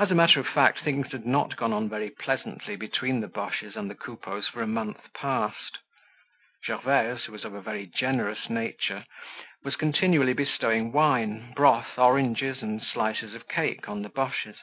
As a matter of fact things had not gone on very pleasantly between the Boches and the Coupeaus for a month past. Gervaise, who was of a very generous nature, was continually bestowing wine, broth, oranges and slices of cake on the Boches.